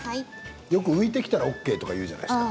よく浮いてきたらＯＫというじゃないですか。